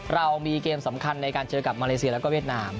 เรามีเกมสำคัญในการเจอกับมาเลเซียแล้วก็เวียดนาม